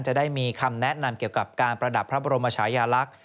จะได้มีคำแนะนำเกี่ยวกับการประดับพระบรมชายาลักษณ์